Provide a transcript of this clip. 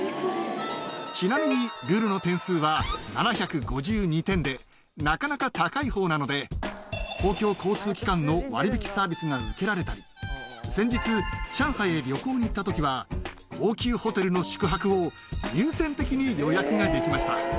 ちなみに、ルルの点数は７５２点で、なかなか高いほうなので、公共交通機関の割引サービスが受けられたり、先日、上海へ旅行に行ったときは、高級ホテルの宿泊を優先的に予約ができました。